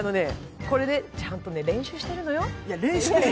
ちゃんと練習してるのよ。